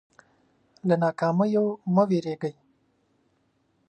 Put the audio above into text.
له ناکامیو مه وېرېږئ.